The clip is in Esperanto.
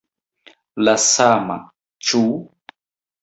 La sama, ĉu?